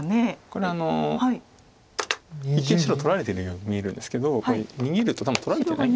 これは一見白取られてるように見えるんですけどこれ逃げると多分取られてない。